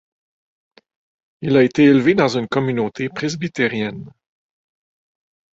Il a été élevé dans une communauté presbytérienne.